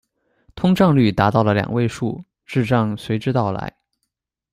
通胀率达到了两位数，滞胀随之到来。